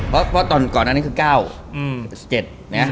เพราะก่อนอันนี้คือ๙๗